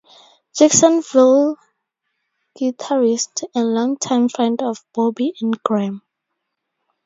Jacksonville guitarist and longtime friend of Bobby Ingram.